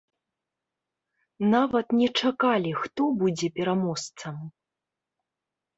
Нават не чакалі, хто будзе пераможцам.